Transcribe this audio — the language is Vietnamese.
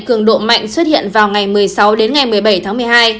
cường độ mạnh xuất hiện vào ngày một mươi sáu một mươi bảy tháng một mươi hai